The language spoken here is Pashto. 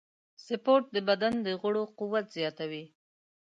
سپورت د بدن د غړو قوت زیاتوي.